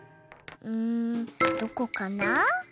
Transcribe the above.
うんどこかな。